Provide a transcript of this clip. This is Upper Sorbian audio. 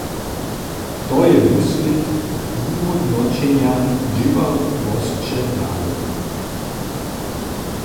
To je wuslědk wuhódnoćenja dźěławosće rady.